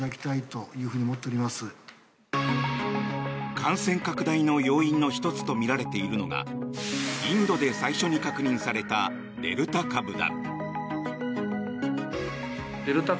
感染拡大の要因の１つとみられているのがインドで最初に確認されたデルタ株だ。